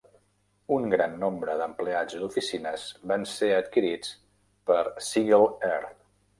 Un gran nombre d"empleats i d"oficines van ser adquirits per Seagle Air.